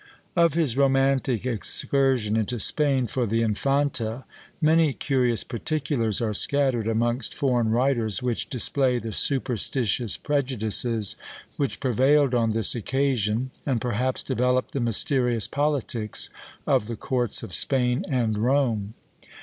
Of his romantic excursion into Spain for the Infanta, many curious particulars are scattered amongst foreign writers, which display the superstitious prejudices which prevailed on this occasion, and, perhaps, develope the mysterious politics of the courts of Spain and Rome.